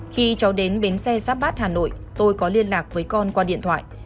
khi cháu đến bến xe giáp bát hà nội tôi có liên lạc với con qua điện thoại